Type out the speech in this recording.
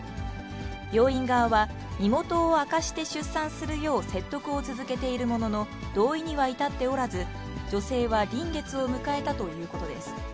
病院側は、身元を明かして出産するよう説得を続けているものの、同意には至っておらず、女性は臨月を迎えたということです。